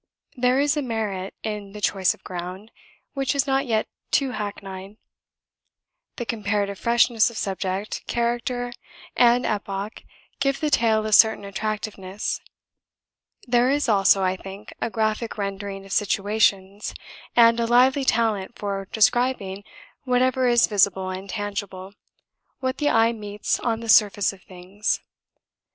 There is a merit in the choice of ground, which is not yet too hackneyed; the comparative freshness of subject, character, and epoch give the tale a certain attractiveness. There is also, I think, a graphic rendering of situations, and a lively talent for describing whatever is visible and tangible what the eye meets on the surface of things.